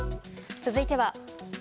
続いては。